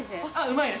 うまい！